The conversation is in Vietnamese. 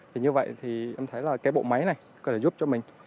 thì như vậy thì em thấy là cái bộ máy này có thể giúp cho mình